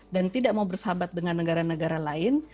dan tidak mau bersahabat dengan negara negara lain